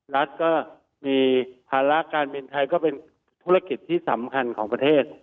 รัฐก็มีภาระการบินไทยก็เป็นธุรกิจที่สำคัญของประเทศ